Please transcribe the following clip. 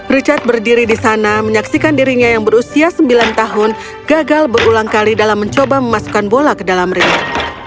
richard berdiri di sana menyaksikan dirinya yang berusia sembilan tahun gagal berulang kali dalam mencoba memasukkan bola ke dalam ringan